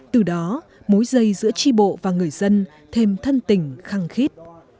từ đó mối dây giữa tri bộ và người dân thêm thân tình khăng khít